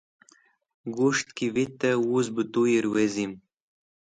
Ghusht ki vitẽ wuz bẽ tuyẽr wezim